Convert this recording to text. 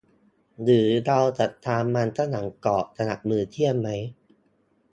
หรือเราจะทานมันฝรั่งทอดกรอบสำหรับมื้อเที่ยงไหม ?